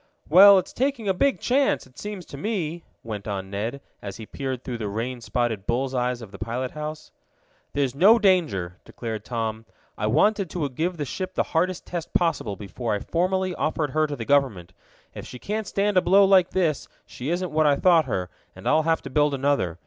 "Well, it's taking a big chance, it seems to me," went on Ned, as he peered through the rain spotted bull's eyes of the pilot house. "There's no danger," declared Tom. "I wanted to give the ship the hardest test possible before I formally offered her to the government. If she can't stand a blow like this she isn't what I thought her, and I'll have to build another.